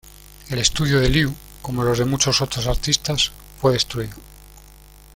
El estudio de Liu, como los de muchos otros artistas, fue destruido.